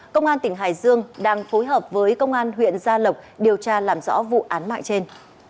công an tỉnh hải dương đang phối hợp với công an huyện gia lộc điều tra làm rõ vụ án mạng trên